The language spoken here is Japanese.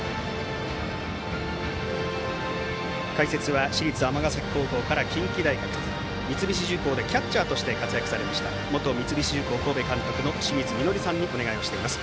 解説は市立尼崎高校から近畿大学三菱重工でキャッチャーとして活躍されました元三菱重工神戸監督の清水稔さんにお願いしています。